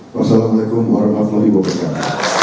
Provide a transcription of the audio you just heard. wassalamu alaikum warahmatullahi wabarakatuh